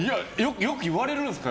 よく言われるんですか？